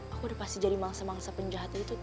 aku udah pasti jadi mangsa mangsa penjahat itu tuh